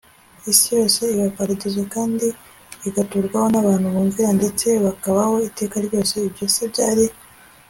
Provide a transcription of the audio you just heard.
isi yose iba paradizo kandi igaturwaho n abantu bumvira ndetse bakabaho iteka ryose Ibyo se byari